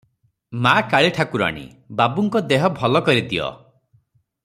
ମା’ କାଳୀ ଠାକୁରାଣୀ! ବାବୁଙ୍କ ଦେହ ଭଲ କରିଦିଅ ।